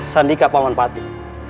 sandi ke pamanpati